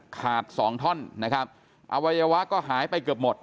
สองท่อนนะครับอวัยวะก็หายไปเกือบหมด